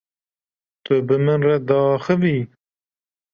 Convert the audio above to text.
Tu bi min re diaxivî?